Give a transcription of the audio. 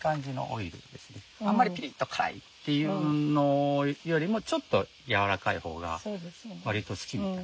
あんまりピリッと辛いっていうのよりもちょっとやわらかい方が割と好きみたい。